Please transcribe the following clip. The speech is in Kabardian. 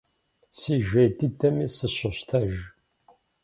Си жей дыдэми сыщощтэж.